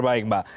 kabar baik mbak